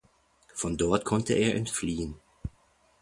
Von dort konnte er entfliehen.